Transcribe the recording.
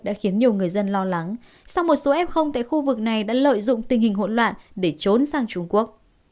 đã khiến nhiều người dân lo lắng sau một số ép không tại khu vực này đã lợi dụng tình hình hỗn loạn để trốn sang trung quốc